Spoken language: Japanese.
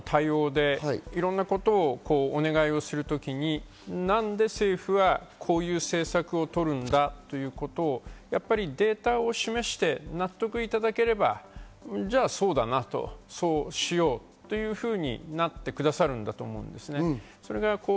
コロナの対応でいろんなことをお願いをする時になんで政府はこういう政策を取るんだっていうことをやっぱりデータを示して納得いただければ、じゃあそうだな、そうしようというふうになってくださるんだと思うんですよね。